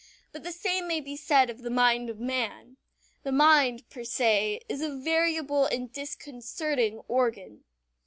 But the same may be said of the mind of man. The mind per se is a variable and disconcerting organ.